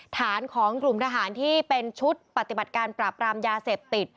ฐานของกลุ่มทหารที่เป็นชุดปฏิบัติการปราบรามยาเสพติด